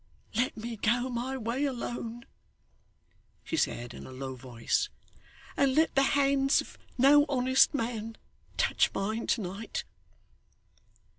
'Let me go my way alone,' she said in a low voice, 'and let the hands of no honest man touch mine to night.